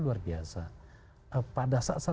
luar biasa pada saat saat